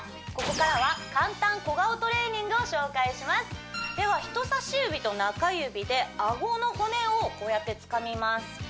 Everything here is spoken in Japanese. ここからは簡単小顔トレーニングを紹介しますでは人差し指と中指でアゴの骨をこうやってつかみます